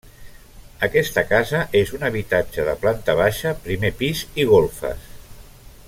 Aquesta casa és un habitatge de planta baixa, primer pis i golfes.